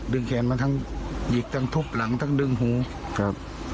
แขนมาทั้งหยิกทั้งทุบหลังทั้งดึงหูครับ